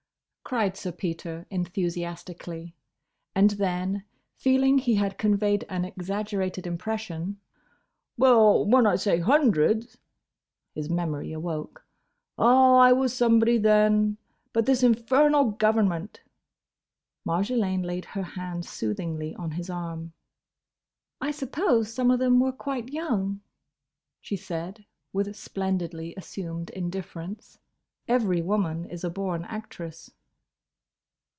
cried Sir Peter, enthusiastically; and then, feeling he had conveyed an exaggerated impression, "well—when I say hundreds—!" his memory awoke. "Ah! I was somebody, then!—But this infernal government—!" Marjolaine laid her hand soothingly on his arm. "I suppose some of them were quite young?" she said, with splendidly assumed indifference. Every woman is a born actress.